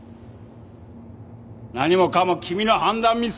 何もかも君の判断ミス！